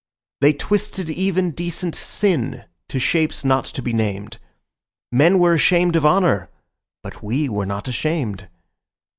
They twisted even decent sin to shapes not to be named: Men were ashamed of honour; but we were not ashamed.